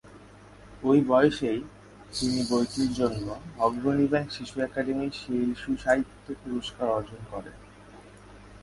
ওই বয়সেই তিনি বইটির জন্য অগ্রণী ব্যাংক-শিশু একাডেমী শিশুসাহিত্য পুরস্কার অর্জন করেন।